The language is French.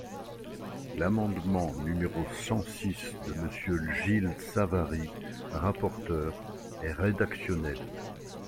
L’amendement numéro cent six de Monsieur Gilles Savary, rapporteur, est rédactionnel.